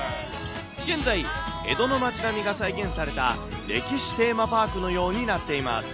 現在、江戸の町並みが再現された歴史テーマパークのようになっています。